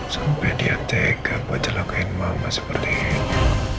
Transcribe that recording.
sampai dia tega buat celakuin mama seperti ini